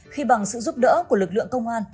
khi bằng sự giúp đỡ của lực lượng công an